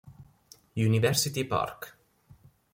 University Park